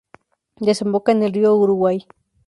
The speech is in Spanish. Desemboca en el río Uruguay.